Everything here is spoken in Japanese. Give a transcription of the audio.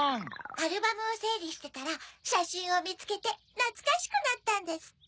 アルバムをせいりしてたらしゃしんをみつけてなつかしくなったんですって。